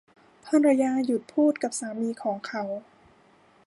ภรรยาหยุดพูดกับสามีของเขา